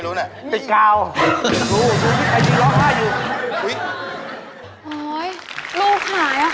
ลูกจ๋าลูก